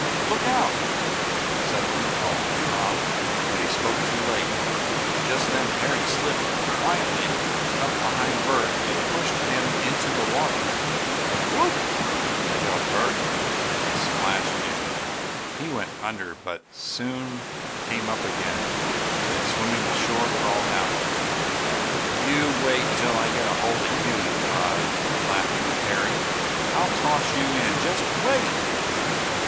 "Look out!" suddenly called Tom, but he spoke too late. Just then Harry slipped quietly up behind Bert and pushed him into the water. "Whoop!" yelled Bert, as he splashed in. He went under, but soon came up again, and, swimming to shore, crawled out. "You wait until I get hold of you!" he cried laughingly to Harry. "I'll toss you in! Just wait!"